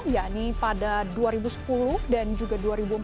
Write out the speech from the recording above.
yakni pada dua ribu sepuluh dan juga dua ribu empat belas